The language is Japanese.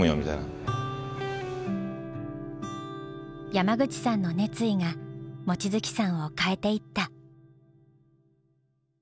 山口さんの熱意が望月さんを変えていった。